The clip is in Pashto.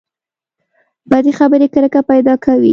بدې خبرې کرکه پیدا کوي.